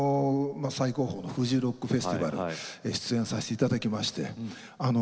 最高峰のフジロックフェスティバル出演させて頂きまして。